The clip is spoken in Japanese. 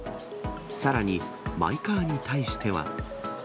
さらに、マイカーに対しては。